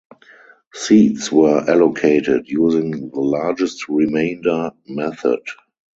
Seats were allocated using the largest remainder method.